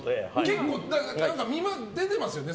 結構、出てますよね。